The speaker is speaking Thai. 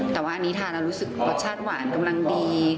แต่ว่าอันนี้ทานแล้วรู้สึกรสชาติหวานกำลังดี